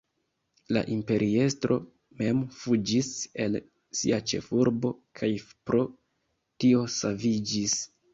La imperiestro mem fuĝis el sia ĉefurbo kaj pro tio saviĝis.